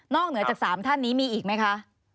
เหนือจาก๓ท่านนี้มีอีกไหมคะ